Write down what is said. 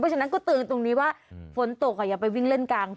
ฉะนั้นก็เตือนตรงนี้ว่าฝนตกอย่าไปวิ่งเล่นกลาง